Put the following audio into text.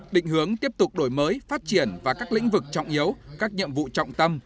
định hướng tiếp tục đổi mới phát triển và các lĩnh vực trọng yếu các nhiệm vụ trọng tâm